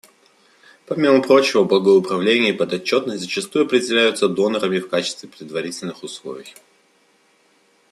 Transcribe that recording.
Помимо прочего, благое управление и подотчетность зачастую определяются донорами в качестве предварительных условий.